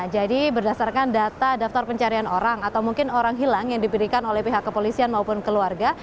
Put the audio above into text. jadi berdasarkan data daftar pencarian orang atau mungkin orang hilang yang diberikan oleh pihak kepolisian maupun keluarga